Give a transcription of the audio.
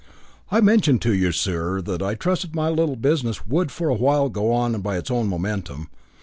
I mentioned to you, sir, that I trusted my little business would for a while go on by its own momentum.